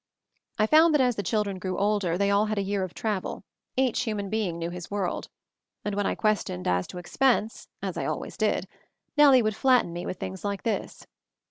I found that as the children grew older they all had a year of travel; each human being knew his world. And when I ques tioned as to expense, as I always did, Nellie would flatten me with things like this